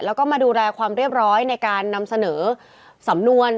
แล้วก็มาดูแลความเรียบร้อยในการนำเสนอสำนวน